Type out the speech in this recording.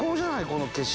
この景色。